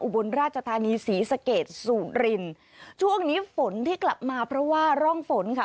บนราชธานีศรีสะเกดสุรินช่วงนี้ฝนที่กลับมาเพราะว่าร่องฝนค่ะ